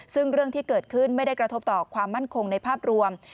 ซึ่งเรื่องที่เกิดขึ้นไม่ได้กระทบต่อความมั่นคงในภาพรวม